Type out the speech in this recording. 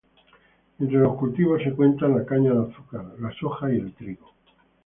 Entre los cultivos se cuentan la caña de azúcar, soja y trigo.